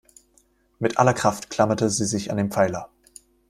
Mit aller Kraft klammerte sie sich an den Pfeiler.